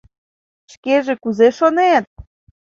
— Шкеже кузе шонет?